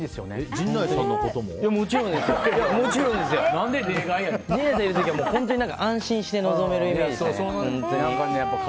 陣内さんといる時は安心して臨めるイメージで。